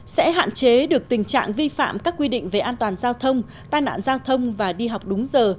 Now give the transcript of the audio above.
sẽ hạn chế được tình trạng vi phạm các quy định về an toàn giao thông tai nạn giao thông và đi học đúng giờ